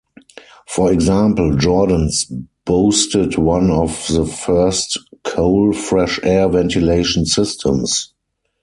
For example, Jordans boasted one of the first cowl fresh air ventilation systems.